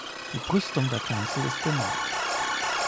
Die Brüstung der Kanzel ist bemalt.